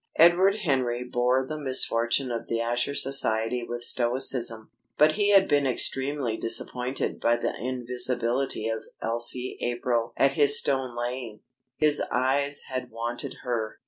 Edward Henry bore the misfortune of the Azure Society with stoicism, but he had been extremely disappointed by the invisibility of Elsie April at his stone laying. His eyes had wanted her.